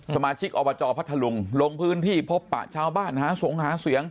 สมาชิกอบจพัทธลุงลงพื้นที่พบปะชาวบ้านหาสงหาเสียง